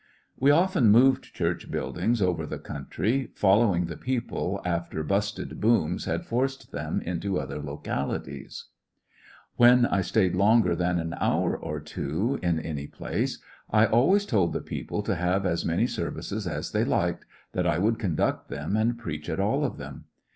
We often moved church buildings over the countryj following the people after ^^busted booms" had forced them into other localities. Breakmg up the ground When I stayed longer than an hour or two in any place, I always told the people to have as many services as they liked— that I would conduct them and preach at all of them.